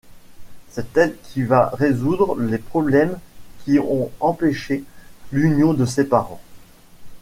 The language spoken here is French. C'est elle qui va résoudre les problèmes qui ont empêché l'union de ses parents.